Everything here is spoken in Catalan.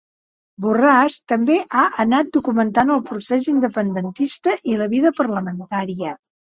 Borràs també ha anat documentant el procés independentista i la vida parlamentària.